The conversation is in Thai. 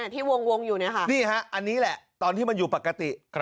ที่วงอยู่นี่ฮะอันนี้แหละตอนที่มันอยู่ปกติ